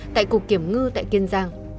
tại cục kiểm ngư tại kiên giang